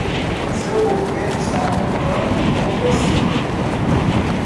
Seu governo está contando com você.